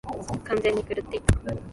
完全に狂っていた。